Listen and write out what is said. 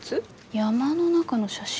山の中の写真？